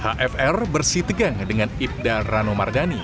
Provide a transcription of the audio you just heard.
hfr bersih tegang dengan ipda rano mardani